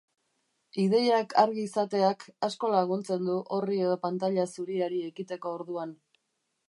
Ideiak argi izateak asko laguntzen du orri edo pantaila zuriari ekiteko orduan.